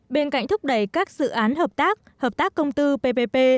bên cạnh thúc đẩy các dự án hợp tác hợp tác công tư ppp